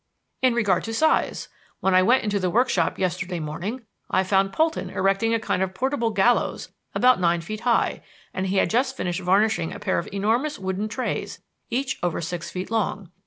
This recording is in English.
"In regard to size. When I went into the workshop yesterday morning, I found Polton erecting a kind of portable gallows about nine feet high, and he had just finished varnishing a pair of enormous wooden trays each over six feet long.